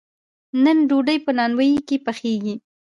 نن ډوډۍ په نانواییو کې پخیږي.